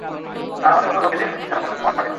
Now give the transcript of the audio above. আর আমাদের মতো লোকেদের মৃত্যু ছাড়া কোন পথ থাকে না।